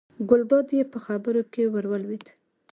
ګلداد یې په خبرو کې ور ولوېد.